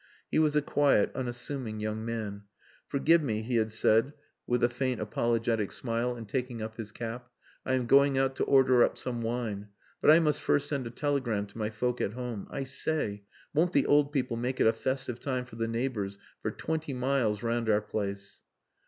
He was a quiet, unassuming young man: "Forgive me," he had said with a faint apologetic smile and taking up his cap, "I am going out to order up some wine. But I must first send a telegram to my folk at home. I say! Won't the old people make it a festive time for the neighbours for twenty miles around our place."